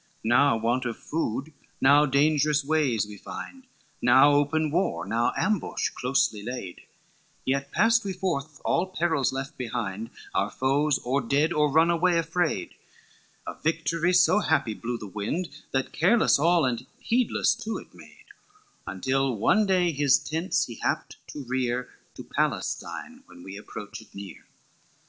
XIII "Now want of food, now dangerous ways we find, Now open war, now ambush closely laid; Yet passed we forth, all perils left behind, Our foes or dead or run away afraid, Of victory so happy blew the wind, That careless all the heedless to it made: Until one day his tents he happed to rear, To Palestine when we approached near.